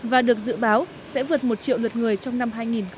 và được dự báo sẽ vượt một triệu lượt người trong năm hai nghìn một mươi bảy